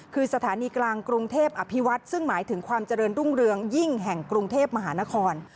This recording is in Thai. คือสถานีกลางกรุงเทพอภิวัฒน์ซึ่งหมายถึงความเจริญรุ่งเรืองยิ่งแห่งกรุงเทพมหานคร